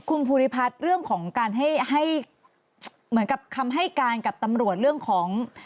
คุณภูริพัฒน์เรื่องของการให้ให้เหมือนกับคำให้การกับตำรวจเรื่องของ